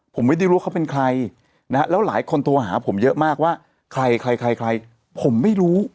ผมไม่ได้รู้ว่าเขาเป็นใครนะฮะแล้วหลายคนโทรหาผมเยอะมากว่าใครใครผมไม่รู้